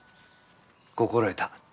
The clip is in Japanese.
心得た。